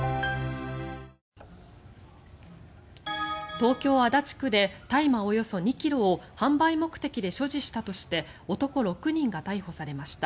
東京・足立区で大麻およそ２ｋｇを販売目的で所持したとして男６人が逮捕されました。